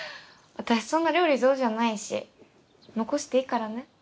私そんな料理上手じゃないし残していいからね。